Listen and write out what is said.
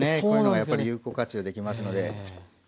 こういうのはやっぱり有効活用できますので。